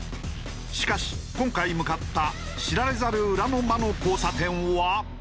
しかし今回向かった知られざる裏の魔の交差点は。